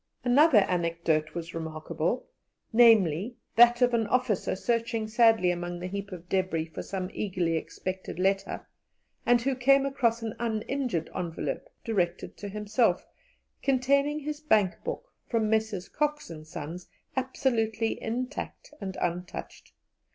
Another anecdote was remarkable namely, that of an officer searching sadly among the heap of debris for some eagerly expected letter, and who came across an uninjured envelope directed to himself, containing his bank book from Messrs. Cox and Sons, absolutely intact and untouched.